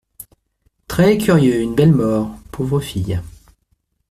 Très curieux ! Une belle mort ! Pauvre fille.